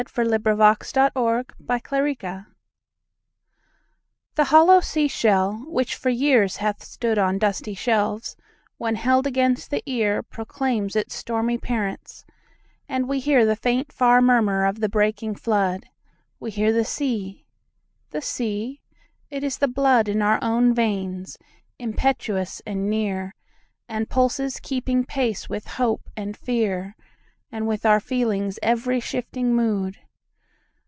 1845 Sea Shell Murmurs THE HOLLOW sea shell, which for years hath stoodOn dusty shelves, when held against the earProclaims its stormy parents; and we hearThe faint far murmur of the breaking flood. We hear the sea. The sea? It is the bloodIn our own veins, impetuous and near, And pulses keeping pace with hope and fearAnd with our feeling's every shifting mood.